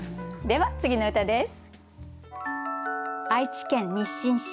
では次の歌です。